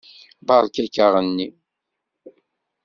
Beṛka-k aɣenni.